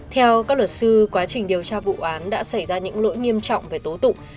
theo các luật sư quá trình điều tra vụ án đã xảy ra những lỗi nghiêm trọng về tố tụng